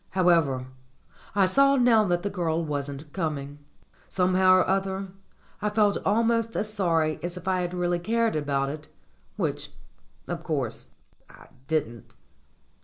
However, I saw now that the girl wasn't coming. Somehow or other I felt al most as sorry as if I had really cared about it, which, of course, I didn't.